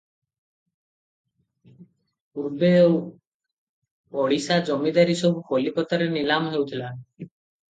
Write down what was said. ପୂର୍ବେ ଓଡ଼ିଶା ଜମିଦାରୀ ସବୁ କଲିକତାରେ ନିଲାମ ହେଉଥିଲା ।